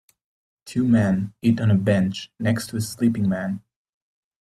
Two men eat on a bench next to a sleeping man.